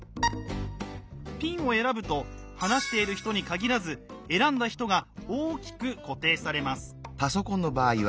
「ピン」を選ぶと話している人に限らず選んだ人が大きく固定されます。